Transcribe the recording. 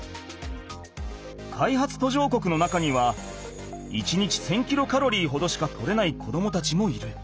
開発途上国の中には１日１，０００キロカロリーほどしか取れない子どもたちもいる。